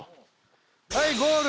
はいゴール！